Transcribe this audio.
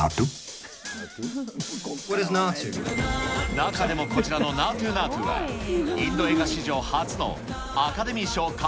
中でもこちらのナートゥ・ナートゥは、インド映画史上初のアカデミー賞歌